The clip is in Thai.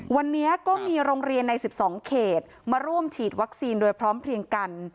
วันนี้ก็มีโรงเรียนใน๑๒เขตมาร่วมฉีดวัคซีนโดยพร้อมเพลียงกัน